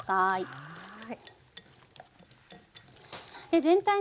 はい。